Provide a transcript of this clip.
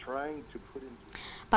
kita hanya mencoba untuk menemukan